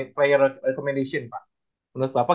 player recommendation pak menurut bapak